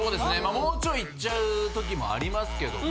もうちょいいっちゃう時もありますけども。